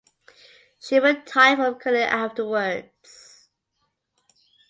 She retired from curling afterwards.